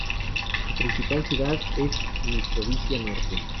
Su principal ciudad es Mitrovica Norte.